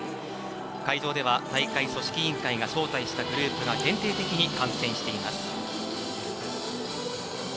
会場では大会組織委員会が招待したグループが限定的に観戦しています。